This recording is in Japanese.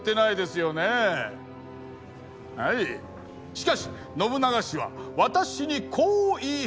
しかし信長氏は私にこう言い放ったのです。